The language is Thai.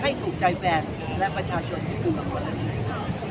ให้ถูกใจแฟนและประชาชนที่จัดการลำดัน